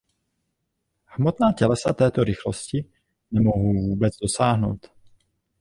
Hmotná tělesa této rychlosti nemohou vůbec dosáhnout.